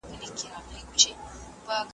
ازاده مطالعه ټولنه د پرمختګ لوري ته بيايي.